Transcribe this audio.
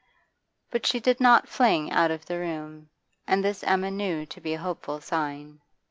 But she did not fling out of the room, and this Emma knew to be a hopeful sign.